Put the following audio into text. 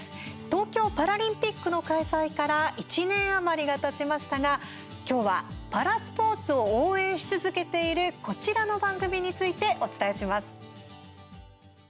東京パラリンピックの開催から１年余りがたちましたが今日はパラスポーツを応援し続けている、こちらの番組についてお伝えします。